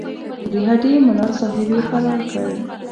د هډې ملاصاحب یې فرار کړ.